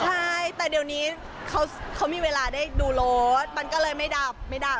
ใช่แต่เดี๋ยวนี้เขามีเวลาได้ดูรถมันก็เลยไม่ดับไม่ดับ